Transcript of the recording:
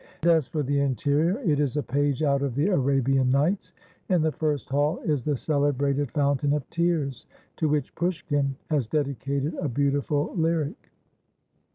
As for the interior, it is a page out of the "Arabian Nights." In the first hall is the celebrated Fountain of Tears, to which Pushkin has dedicated a beautiful lyric.